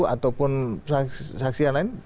ataupun saksi yang lain